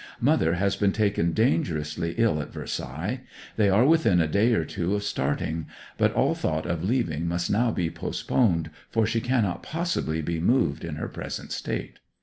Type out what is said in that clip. Mother has been taken dangerously ill at Versailles: they were within a day or two of starting; but all thought of leaving must now be postponed, for she cannot possibly be moved in her present state.